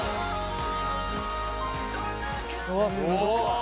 うわすごい。